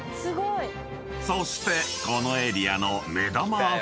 ［そしてこのエリアの］